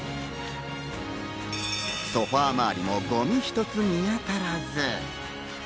ソファ周りもゴミ一つ見当たらず。